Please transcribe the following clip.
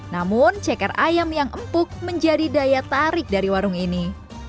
namun ceker ayam yang empuk menjadi daya tarik dari warung ini